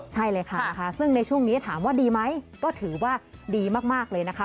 ใช่เลยค่ะซึ่งในช่วงนี้ถามว่าดีไหมก็ถือว่าดีมากเลยนะคะ